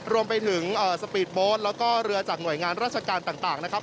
รวมไปถึงสปีดโบสต์แล้วก็เรือจากหน่วยงานราชการต่างนะครับ